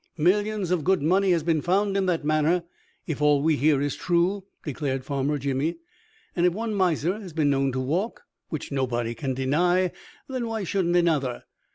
"Millions of good money has been found in that manner, if all we hear is true," declared Farmer Jimmy; "and if one miser has been known to walk, which nobody can deny, then why shouldn't another?